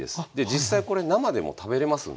実際これ生でも食べれますんで。